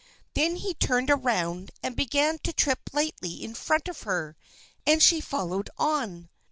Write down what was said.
Then he turned around, and began to trip lightly in front of her, and she followed on.